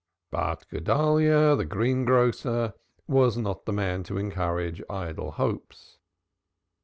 But Guedalyah the greengrocer was not the man to encourage idle hopes.